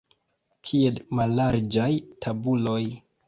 Kiel mallarĝaj tabuloj!